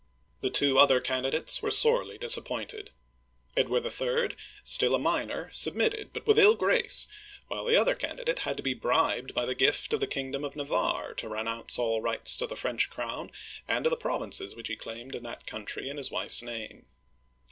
The two other candidates were sorely disappointed. Edward III., still a minor, submitted, but with ill grace, while the other candidate had to be bribed by the gift of the kingdom of Navarre (na var'), to renounce all rights to the French crown and to the provinces which he claimed in that country in his wife's name.